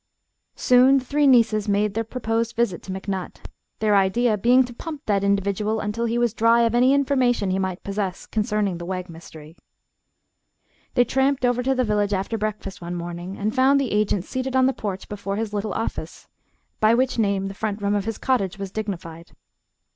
Soon the three nieces made their proposed visit to McNutt, their idea being to pump that individual until he was dry of any information he might possess concerning the Wegg mystery. They tramped over to the village after breakfast one morning and found the agent seated on the porch before his little "office," by which name the front room of his cottage was dignified.